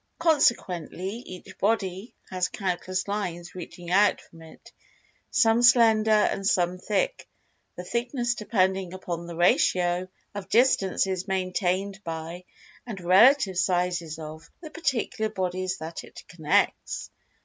Consequently, each body has countless lines reaching out from it; some slender, and some thick,—the thickness depending upon the ratio of distances maintained by, and relative sizes of, the particular bodies that it connects.